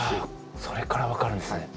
それから分かるんですね。